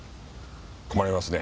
困りますね。